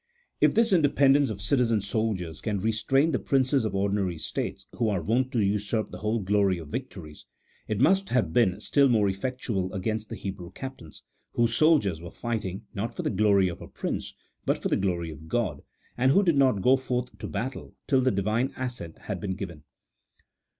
If this independence of citizen soldiers can restrain the princes of ordinary states who are wont to usurp the whole glory of victories, it must have been still more effectual against the Hebrew captains, whose soldiers were fighting, not for the glory of a prince, but for the glory of God, and who did not go forth to battle till the Divine assent had been given.